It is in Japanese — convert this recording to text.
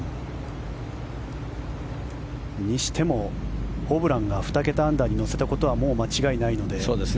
にしても、ホブランが２桁アンダーに乗せたことはもう間違いないので。